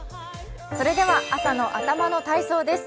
それでは朝の頭の体操です。